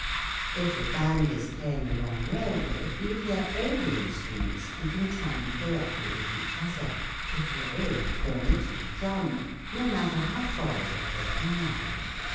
If a band is playing a long way away, you hear all the instru ments keeping time correctly with each other, piccolo and cornet and drum, no matter how far away they are.